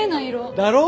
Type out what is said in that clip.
だろ？